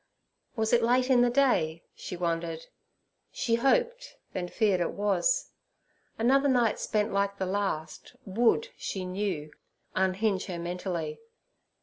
Was it late in the day? she wondered. She hoped, then feared it was; another night spent like the last, would, she knew, unhinge her mentally.